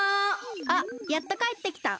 あっやっとかえってきた！